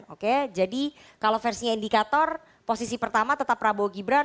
oke jadi kalau versinya indikator posisi pertama tetap prabowo gibran